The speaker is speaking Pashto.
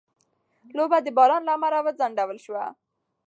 لوبه د باران له امله وځنډول شوه.